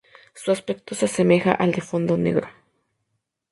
Su aspecto se asemeja al de fondo negro.